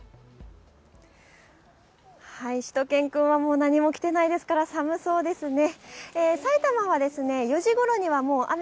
しゅと犬くんはもう何も着てないですから寒そうですね。